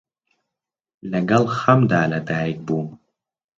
لەگەڵ خەمدا لە دایک بووم،